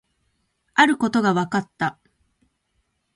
あることが分かった